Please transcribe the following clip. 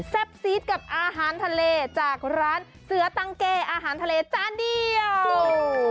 ซีดกับอาหารทะเลจากร้านเสือตังเก้อาหารทะเลจานเดียว